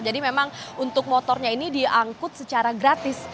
jadi memang untuk motornya ini diangkut secara gratis